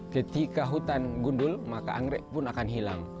ketika hutan gundul maka anggrek pun akan hilang